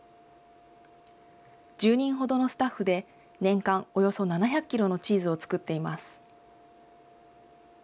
１０人ほどのスタッフで、年間およそ７００キロのチーズを作っています。